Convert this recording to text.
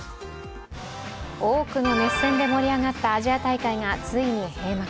多くの熱戦で盛り上がったアジア大会がついに閉幕。